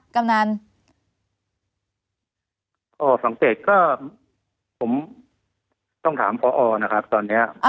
กำนันสังเกตก็ผมต้องถามพอนะครับตอนนี้